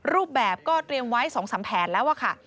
รูปแบบก็เตรียมไว้๒๓แผนแล้วค่ะ